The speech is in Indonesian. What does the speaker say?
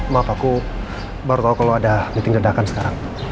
maaf aku baru tahu kalau ada meeting ledakan sekarang